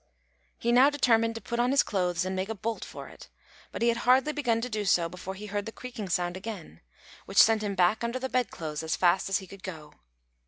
He now determined to put on his clothes and make a bolt for it; but he had hardly begun to do so before he heard the creaking sound again, which sent him back under the bed clothes as fast as he could go.